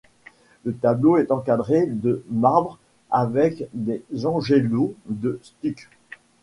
Le tableau est encadré de marbre avec des angelots de stuc.